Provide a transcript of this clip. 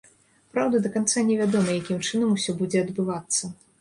Праўда, да канца не вядома, якім чынам усё будзе адбывацца.